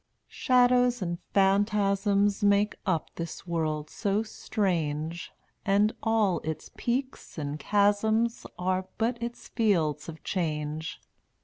23 1 Shadows and phantasms Make up this world so strange And all its peaks and chasms Are but its fields of change.